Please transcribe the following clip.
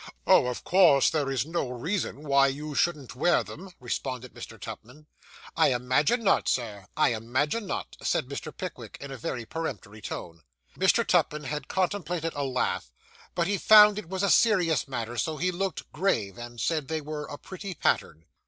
'Oh, of course there is no reason why you shouldn't wear them,' responded Mr. Tupman. 'I imagine not, sir I imagine not,' said Mr. Pickwick, in a very peremptory tone. Mr. Tupman had contemplated a laugh, but he found it was a serious matter; so he looked grave, and said they were a pretty pattern.